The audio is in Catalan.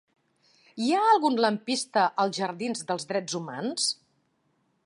Hi ha algun lampista als jardins dels Drets Humans?